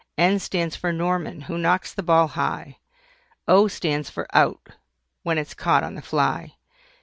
N stands for NORMAN, who knocks the ball high. O stands for OUT, when it's caught on the fly.